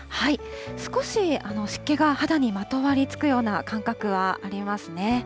少し湿気が肌にまとわりつくような感覚はありますね。